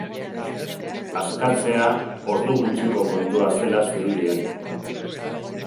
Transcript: Askatzea ordu gutxiko kontua zela zirudien.